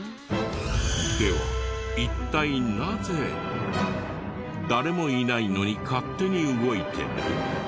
では一体なぜ誰もいないのに勝手に動いてる？